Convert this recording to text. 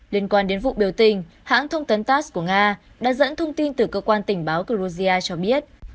liên quan đến vụ biểu tình hãng thông tấn tass của nga đã dẫn thông tin từ cơ quan tình báo ceorgia cho biết